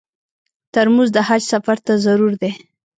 ترموز د حج سفر ته ضرور دی.